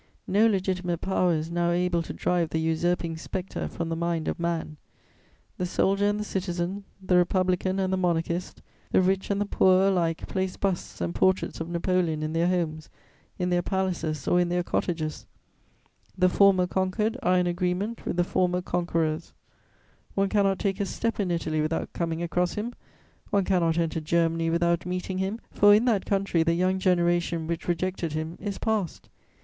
No legitimate power is now able to drive the usurping spectre from the mind of man: the soldier and the citizen, the Republican and the Monarchist, the rich and the poor alike place busts and portraits of Napoleon in their homes, in their palaces or in their cottages; the former conquered are in agreement with the former conquerors; one cannot take a step in Italy without coming across him; one cannot enter Germany without meeting him, for in that country the young generation which rejected him is past.